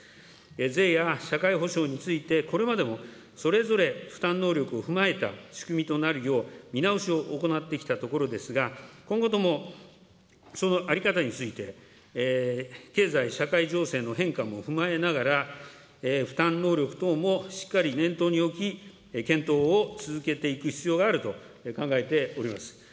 税や社会保障について、これまでもそれぞれ負担能力踏まえた仕組みとなるよう、見直しを行ってきたところですが、今後ともその在り方について経済社会情勢の変化も踏まえながら、負担能力等もしっかり念頭に置き、検討を続けていく必要があると考えております。